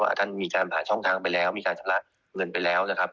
ท่านมีการหาช่องทางไปแล้วมีการชำระเงินไปแล้วนะครับ